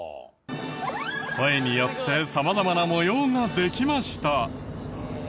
声によって様々な模様ができました。